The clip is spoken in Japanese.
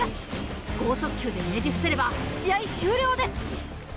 剛速球でねじ伏せれば試合終了です！